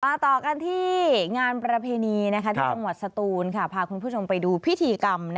ต่อกันที่งานประเพณีที่จังหวัดสตูนพาคุณผู้ชมไปดูพิธีกรรม